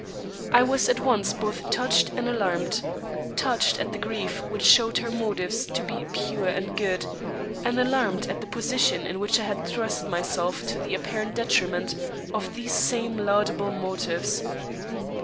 I was at once both touched and alarmed; touched at the grief which showed her motives to be pure and good, and alarmed at the position in which I had thrust myself to the apparent detriment of these same laudable motives.